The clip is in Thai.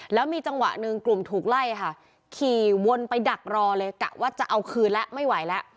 แล้วมีจังหวะหนึ่งกลุ่มถูกไล่ค่ะขี่วนไปดักรอเลยกะว่าจะเอาคืนแล้วไม่ไหวแล้ว